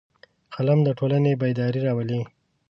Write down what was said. قلم د ټولنې بیداري راولي